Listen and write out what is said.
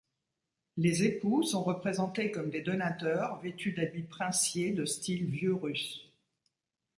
Les époux sont représentés comme des donateurs vêtus d'habits princiers de style vieux-russe.